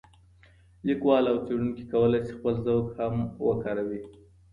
لیکوال او څېړونکي کولی شي خپل ذوق هم وکاروي.